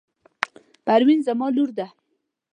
پروین زما لور ده.